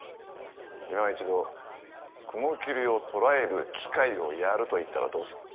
いま一度雲霧を捕らえる機会をやると言ったらどうする？